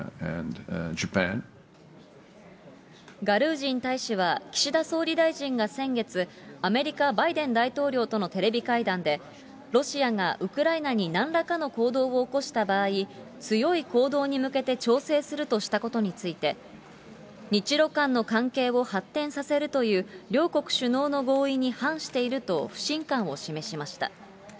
ガルージン大使は、岸田総理大臣が先月、アメリカ、バイデン大統領とのテレビ会談で、ロシアがウクライナになんらかの行動を起こした場合、強い行動に向けて調整するとしたことについて、日ロ間の関係を発展させるという両国首脳の合意に反していると不信感を示しました。